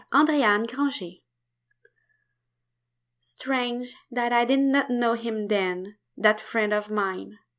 An Old Story Strange that I did not know him then, That friend of mine!